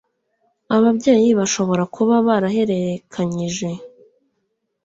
Ababyeyi bashobora kuba barahererekanyije